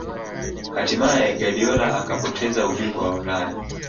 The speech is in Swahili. hatimaye guardiola akapoteza ubingwa wa ulaya